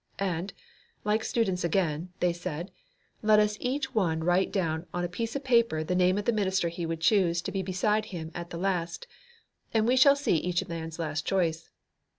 And, like students again, they said Let each one write down on a piece of paper the name of the minister he would choose to be beside him at the last, and we shall see each man's last choice.